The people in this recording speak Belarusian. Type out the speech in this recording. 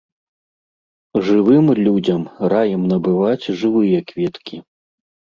Жывым людзям раім набываць жывыя кветкі.